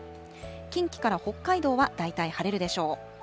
近畿から北海道は大体晴れるでしょう。